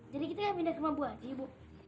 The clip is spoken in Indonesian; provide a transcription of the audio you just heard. jadi kita pindah ke rumah bu haji ibu